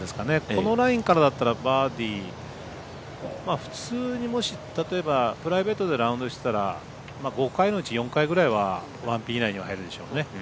このラインからだったらバーディー普通にもし、例えばプライベートでラウンドしてたら５回のうち４回ぐらいはワンピン以内には入るでしょうね。